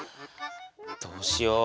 どうしよう？